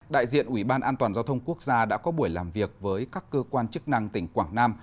đại diện ủy ban an toàn giao thông quốc gia đã có buổi làm việc với các cơ quan chức năng tỉnh quảng nam